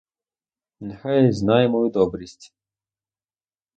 Нехай знає мою добрість!